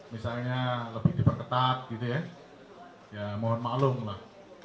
misalnya lebih diperketat gitu ya ya mohon maklum lah